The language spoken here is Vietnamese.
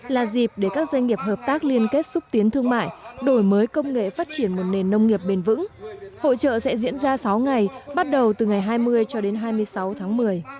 là dịp để các doanh nghiệp hợp tác liên kết xúc tiến thương mại đổi mới công nghệ phát triển một nền nông nghiệp bền vững hội trợ sẽ diễn ra sáu ngày bắt đầu từ ngày hai mươi cho đến hai mươi sáu tháng một mươi